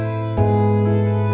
aku mau ke sana